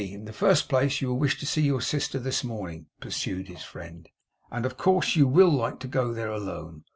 In the first place, you will wish to see your sister this morning,' pursued his friend, 'and of course you will like to go there alone.